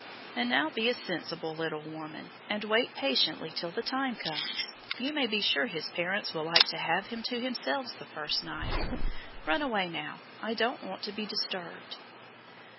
"And now be a sensible little woman, and wait patiently till the time comes. You may be sure his parents will like to have him to themselves the first night. Run away now; I don't want to be disturbed."